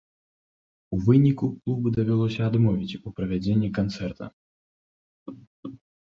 У выніку клубу давялося адмовіць у правядзенні канцэрта.